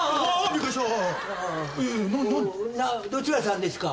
どちらさんですか？